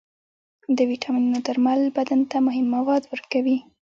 د ویټامینونو درمل بدن ته مهم مواد ورکوي.